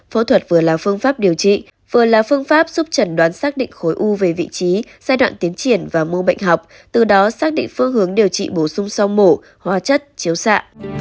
phẫu thuật vừa là phương pháp điều trị vừa là phương pháp giúp trần đoán xác định khối u về vị trí giai đoạn tiến triển và mô bệnh học từ đó xác định phương hướng điều trị bổ sung sau mổ hoa chất chiếu xạ